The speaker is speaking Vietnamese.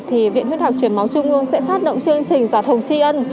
thì viện huyết học chuyển máu trung ương sẽ phát động chương trình giọt hồng chi ân